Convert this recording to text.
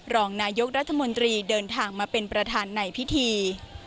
รองนายกรัฐมนตรีเดินทางมาเป็นประธานในพิธี